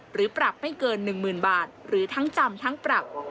หรือปรับไม่เกิน๑๐๐๐บาทหรือทั้งจำทั้งปรับ